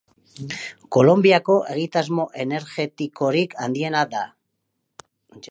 Kolonbiako egitasmo energetikorik handiena da.